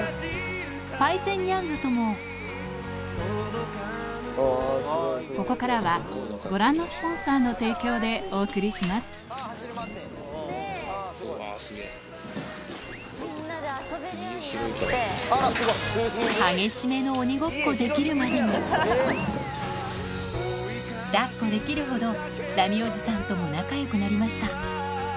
パイセンニャンズとも激しめの鬼ごっこできるまでに抱っこできるほどラミおじさんとも仲良くなりました